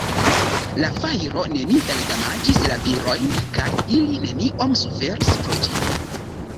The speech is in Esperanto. La fajro neniel damaĝis la virojn kaj ili neniom suferis pro ĝi.